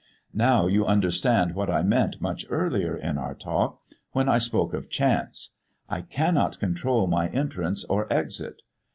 "Now you understand what I meant much earlier in our talk when I spoke of chance. I cannot control my entrance or exit.